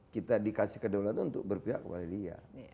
kita dikasih kedaulatan untuk berpihak kepada dia